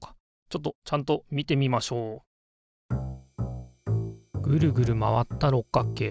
ちょっとちゃんと見てみましょうぐるぐる回った六角形。